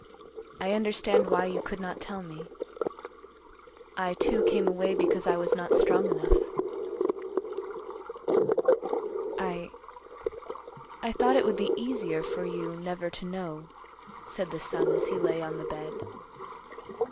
I understand why you could not tell me. I, too, came away because I was not strong enough." "I—I thought it would be easier for you never to know," said the son as he lay on the bed.